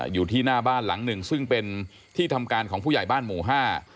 อยู่ที่หน้าบ้านหลังหนึ่งซึ่งเป็นที่ทำการของผู้ใหญ่บ้านหมู่ห้า